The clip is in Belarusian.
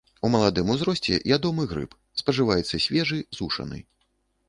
У маладым узросце ядомы грыб, спажываецца свежы, сушаны.